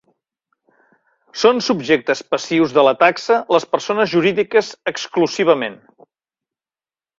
Són subjectes passius de la taxa les persones jurídiques exclusivament.